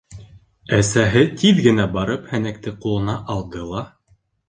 Әсәһе тиҙ генә барып һәнәкте ҡулына алды ла: